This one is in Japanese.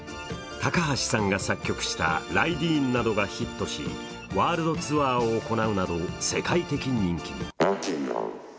高橋さんが作曲した「ライディーン」などがヒットしワールドツアーを行うなど、世界的人気に。